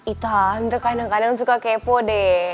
itu kan kadang kadang suka kepo deh